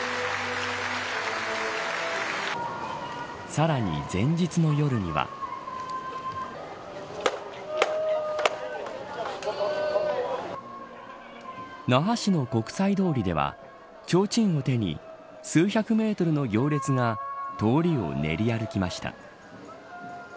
さらに前日の夜には。那覇市の国際通りではちょうちんを手に数百メートルの行列が通りを練り歩きました。